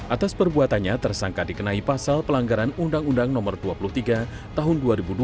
atas perbuatannya tersangka dikenai pasal pelanggaran undang undang no dua puluh tiga tahun dua ribu dua